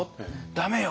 駄目よ。